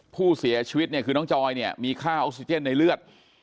ผู้เสียชีวิตเนี่ยคือน้องจอยเนี่ยมีค่าออกซิเจนในเลือด